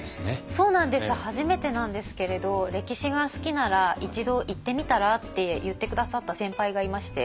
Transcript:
そうなんです初めてなんですけれど「歴史が好きなら一度行ってみたら？」って言って下さった先輩がいまして。